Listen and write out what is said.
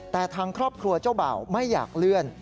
แต่ทางครอบครัวเจ้าบ่าวไม่อยากเลื่อน